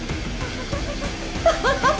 アハハハ。